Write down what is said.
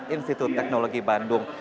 institut teknologi bandung